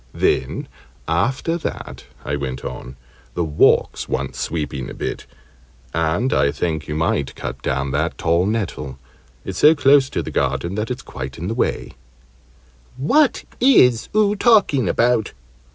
"Then after that," I went on, "the walks want sweeping a bit; and I think you might cut down that tall nettle it's so close to the garden that it's quite in the way " "What is oo talking about?"